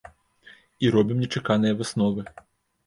І робім нечаканыя высновы!